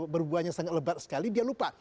berbuahnya sangat lebat sekali dia lupa